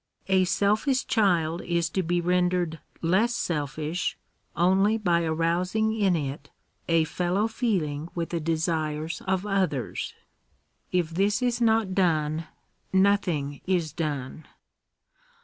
A selfish child is to be rendered less selfish, only by arousing in it a fellow feeling with the desires of others. If this is not done, nothing is done.